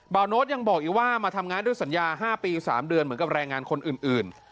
โน้ตยังบอกอีกว่ามาทำงานด้วยสัญญา๕ปี๓เดือนเหมือนกับแรงงานคนอื่น